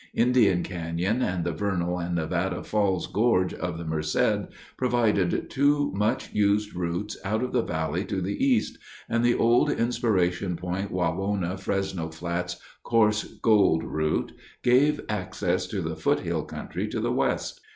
Indian Canyon and the Vernal and Nevada falls gorge of the Merced provided two much used routes out of the valley to the east, and the Old Inspiration Point Wawona Fresno Flats Coarse Gold route gave access to the foothill country to the west.